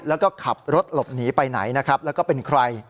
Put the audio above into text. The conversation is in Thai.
แล้วก็ขับรถหลบหนีไปไหนนะครับแล้วก็เป็นใคร